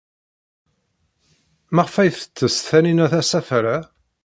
Maɣef ay tettess Taninna asafar-a?